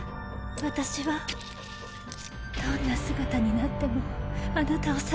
私はどんな姿になってもあなたを探し出すから。